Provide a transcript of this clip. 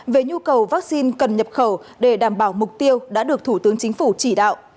về nhu cầu vaccine cần nhập khẩu để đảm bảo mục tiêu đã được thủ tướng chính phủ chỉ đạo